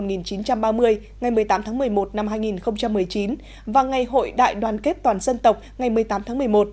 ngày một mươi tám tháng một mươi một năm hai nghìn một mươi chín và ngày hội đại đoàn kết toàn dân tộc ngày một mươi tám tháng một mươi một